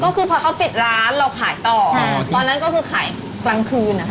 ก็คือพอเขาปิดร้านเราขายต่อตอนนั้นก็คือขายกลางคืนนะคะ